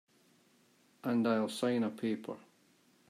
And I'll sign a paper.